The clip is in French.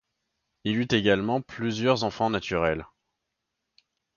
Il eut également plusieurs enfants naturels.